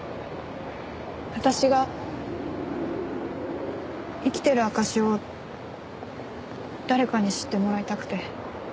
あたしが生きてる証しを誰かに知ってもらいたくて。